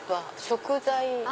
食材。